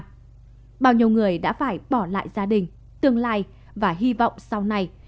tại sao bao nhiêu người đã phải bỏ lại gia đình tương lai và hy vọng sau này